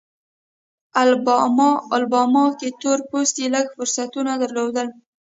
الاباما کې تور پوستي لږ فرصتونه درلودل.